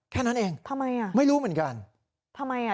แค่นั้นเองไม่รู้เหมือนกันทำไมอ่ะทำไมอ่ะ